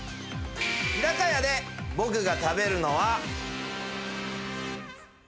日高屋で僕が食べるのは。